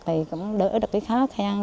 thì cũng đỡ được cái khó khăn